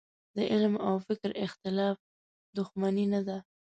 د علم او فکر اختلاف دوښمني نه ده.